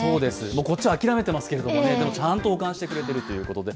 こっちは諦めてますけどねちゃんと保管してくれているということで。